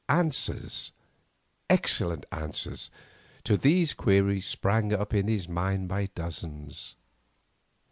Answers—excellent answers—to these queries sprang up in his mind by dozens.